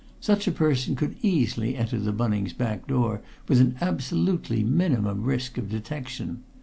Such a person could easily enter the Bunnings' back door with an absolutely minimum risk of detection.